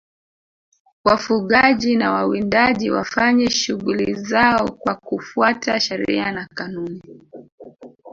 wafugaji na wawindaji wafanye shughuli zao kwa kufuata sheria na kanuni